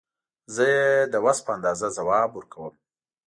زه یې د وس په اندازه ځواب ورکوم.